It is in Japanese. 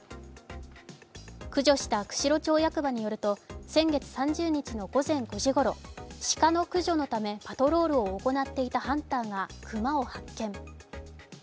駆除した釧路町役場によると先月３０日の午前５時ごろ鹿の駆除のためパトロールを行っていたハンターが熊を発見。